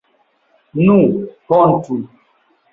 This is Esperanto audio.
Nu, hontu!